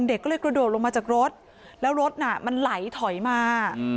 เด็กก็เลยกระโดดลงมาจากรถแล้วรถน่ะมันไหลถอยมา